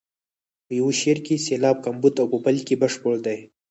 په یو شعر کې سېلاب کمبود او په بل کې بشپړ دی.